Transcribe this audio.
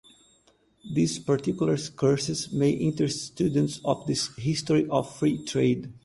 These particular curses may interest students of the history of free trade.